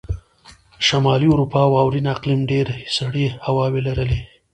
د شمالي اروپا واورین اقلیم ډېرې سړې هواوې لرلې.